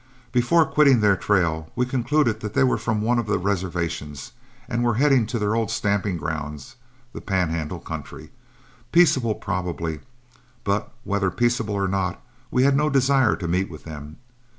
Before quitting their trail, we concluded they were from one of the reservations, and were heading for their old stamping ground, the Pan handle country, peaceable probably; but whether peaceable or not, we had no desire to meet with them.